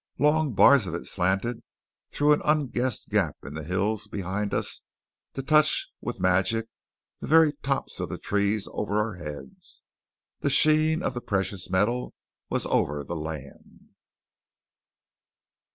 Long bars of it slanted through an unguessed gap in the hills behind us to touch with magic the very tops of the trees over our heads. The sheen of the precious metal was over the land.